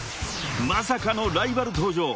［まさかのライバル登場。